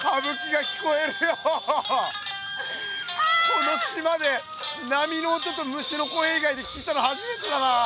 この島で波の音と虫の声いがいで聞いたのはじめてだなあ。